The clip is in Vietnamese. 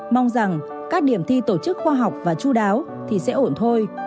mong rằng các điểm thi tổ chức khoa học và chú đáo thì sẽ ổn thôi